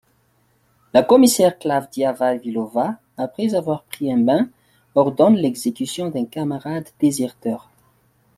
La commissaire Klavdia Vavilova, après avoir pris un bain, ordonne l'exécution d'un camarade déserteur.